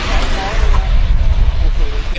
วันนี้เราจะมาจอดรถที่แรงละเห็นเป็น